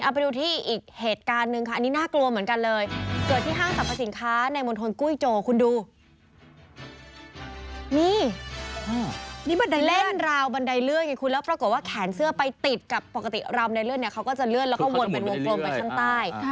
เอาไปดูที่อีกเหตุการณ์นึงค่ะอันนี้น่ากลัวเหมือนกันเลย